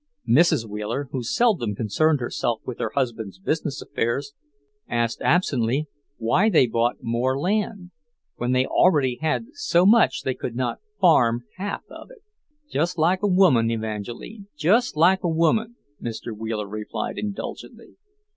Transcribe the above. Mrs. Wheeler, who seldom concerned herself with her husband's business affairs, asked absently why they bought more land, when they already had so much they could not farm half of it. "Just like a woman, Evangeline, just like a woman!" Mr. Wheeler replied indulgently.